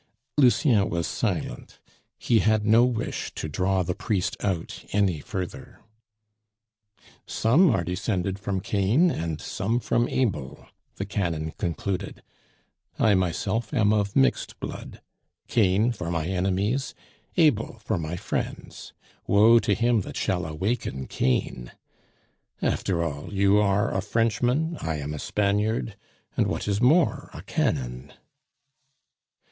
Lucien was silent; he had no wish to draw the priest out any further. "Some are descended from Cain and some from Abel," the canon concluded; "I myself am of mixed blood Cain for my enemies, Abel for my friends. Woe to him that shall awaken Cain! After all, you are a Frenchman; I am a Spaniard, and, what is more, a canon."